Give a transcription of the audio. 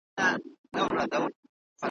د تاریخ او ادب تدریس